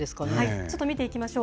ちょっと見ていきましょう。